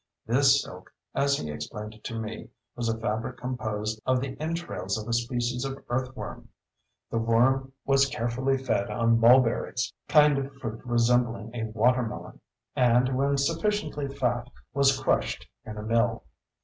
This silk, as he explained it to me, was a fabric composed of the entrails of a species of earth worm. The worm was carefully fed on mulberries—a kind of fruit resembling a water melon—and, when sufficiently fat, was crushed in a mill.